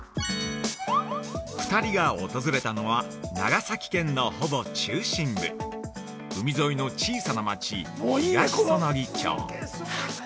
◆２人が訪れたのは、長崎県のほぼ中心部海沿いの小さなまち東彼杵町。